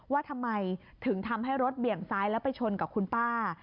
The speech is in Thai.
ว่าทำไมถึงทำให้รถเบี่ยงซ้ายแล้วไปชนกับคุณป้า